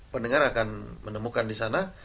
pendengar akan menemukan disana